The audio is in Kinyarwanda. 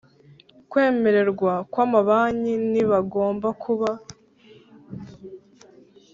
kwemererwa kw Amabanki ntibagomba kuba